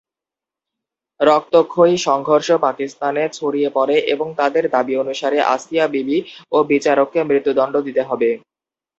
রক্তক্ষয়ী সংঘর্ষ পাকিস্তানে ছড়িয়ে পরে এবং তাদের দাবী অনুসারে আসিয়া বিবি এবং বিচারককে মৃত্যুদন্ড দিতে হবে।